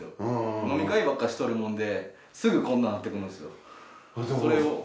飲み会ばっかしとるもんですぐこんななってくるんですよ。それを。